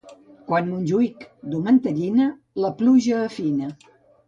Quan Montjuïc duu mantellina, la pluja afina.